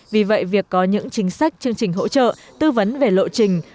vì vậy việc có những chính sách chương trình hỗ trợ tư vấn về lộ trình